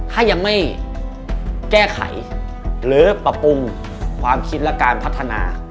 ถ้ายังไม่แก้ไขหรือปรับปรุงความคิดและการพัฒนา